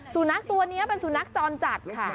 สูนักตัวเนี่ยเป็นสูนักจรจัดค่ะ